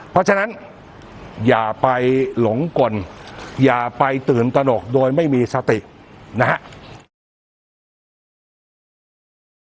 เพราะฉะนั้นอย่าไปหลงกลอย่าไปตื่นตนกโดยไม่มีสตินะฮะ